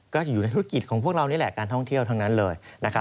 ก็อยู่ในธุรกิจของพวกเรานี่แหละการท่องเที่ยวทั้งนั้นเลย